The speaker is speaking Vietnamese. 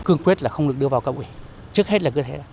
kiên quyết là không được đưa vào cấp ủy trước hết là cứ thế